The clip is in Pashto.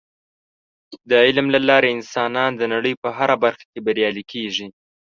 د علم له لارې انسانان د نړۍ په هره برخه کې بریالي کیږي.